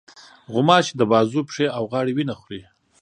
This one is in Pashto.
غوماشې د بازو، پښې، او غاړې وینه خوري.